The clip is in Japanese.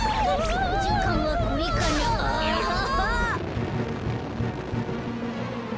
そうじゅうかんはこれかなあはは。